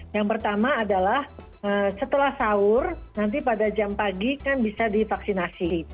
yang pertama adalah setelah sahur nanti pada jam pagi kan bisa divaksinasi